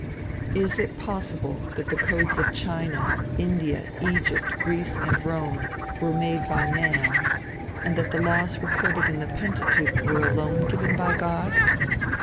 Is it possible that the codes of China, India, Egypt, Greece and Rome were made by man, and that the laws recorded in the Pentateuch were alone given by God?